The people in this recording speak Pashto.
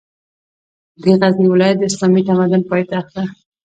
د غزني ولایت د اسلامي تمدن پاېتخت ده